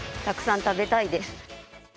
たくさん食べたいです。